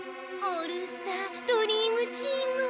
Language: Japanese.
オールスタードリームチーム。